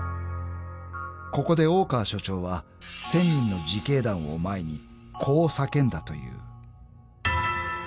［ここで大川署長は１，０００人の自警団を前にこう叫んだという］